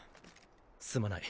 すまない。